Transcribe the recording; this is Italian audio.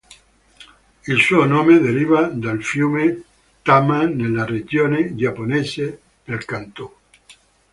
Il suo nome deriva dal fiume Tama nella regione giapponese del Kantō.